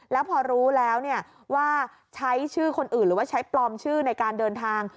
แล้วพอรู้แล้วว่าใช้ชื่อคนอื่นหรือว่าใช้ปลอมชื่อในการเดินทาง